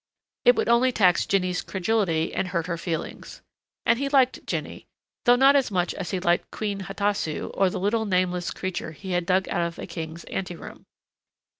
It would only tax Jinny's credulity and hurt her feelings. And he liked Jinny though not as he liked Queen Hatasu or the little nameless creature he had dug out of a king's ante room.